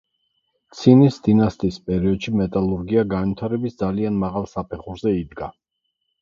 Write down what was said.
ცინის დინასტიის პერიოდში მეტალურგია განვითარების ძალიან მაღალ საფეხურზე იდგა.